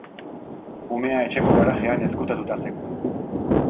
Umea etxeko garajean ezkutatuta zegoen.